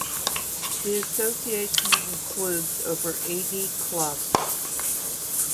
The association includes over eighty clubs.